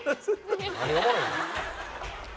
「何がおもろいねん」